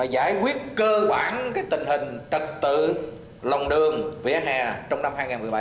giải quyết cơ bản tình hình trật tự lòng đường vỉa hè trong năm hai nghìn một mươi bảy